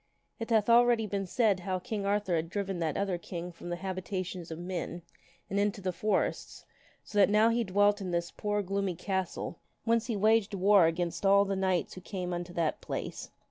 (It hath already been said how King Arthur had driven that other king from the habitations of men and into the forests, so that now he dwelt in this poor gloomy castle whence he waged war against all the knights who came unto that place.)